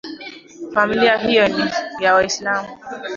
Familia hiyo ni ya waislamu